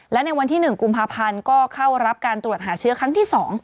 และในวันที่๑กุมภาพันธ์ก็เข้ารับการตรวจหาเชื้อครั้งที่๒